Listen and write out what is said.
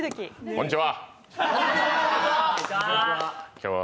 こんにちは！